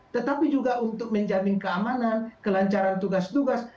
tetapi juga untuk menjamin keamanan kelancaran tugas tugas